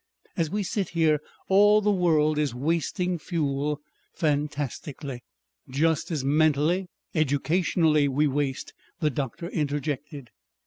As we sit here all the world is wasting fuel fantastically." "Just as mentally educationally we waste," the doctor interjected.